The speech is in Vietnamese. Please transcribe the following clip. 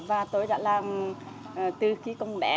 và tôi đã làm từ khi con bé